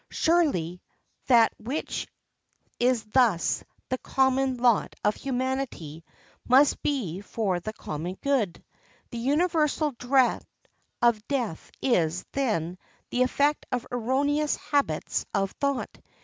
Surely, that which is thus the common lot of humanity must be for the common good. The universal dread of death is, then, the effect of erroneous habits of thought.